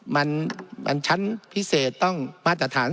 มันชั้นพิเศษต้องมาตรฐาน